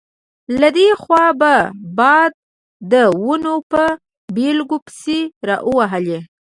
له دې خوا به باد د ونو په بلګو پسې راوهلې.